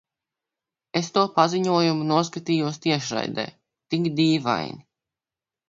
Es to paziņojumu noskatījos tiešraidē. Tik dīvaini.